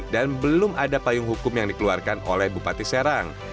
dan belum ada payung hukum yang dikeluarkan oleh bupati serang